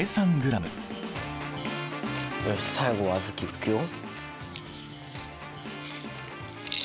よし最後は小豆いくよ。